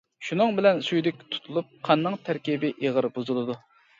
شۇنىڭ بىلەن سۈيدۈك تۇتۇلۇپ، قاننىڭ تەركىبى ئېغىر بۇزۇلىدۇ.